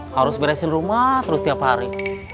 harus beresin rumah terus tiap hari